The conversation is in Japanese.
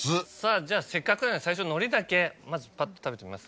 じゃあせっかくなんで最初海苔だけまずぱっと食べてみます？